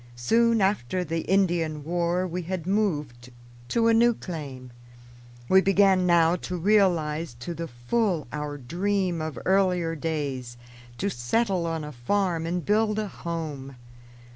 Soon after the Indian War we had moved to a new claim. We began now to realize to the full our dream of earlier days, to settle on a farm and build a home.